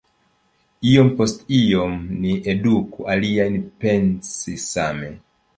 Iom post iom, ni eduku aliajn pensi same.”